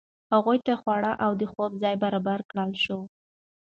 هغه ته خواړه او د خوب ځای برابر کړل شو.